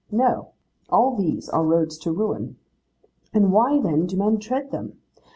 No. All these are roads to ruin. And why, then, do men tread them?